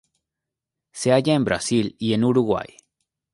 Se halla en Brasil y en Uruguay.